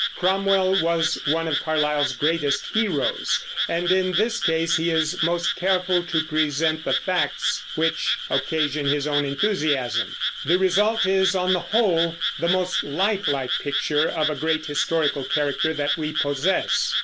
Cromwell was one of Carlyle's greatest heroes, and in this case he is most careful to present the facts which occasion his own enthusiasm. The result is, on the whole, the most lifelike picture of a great historical character that we possess.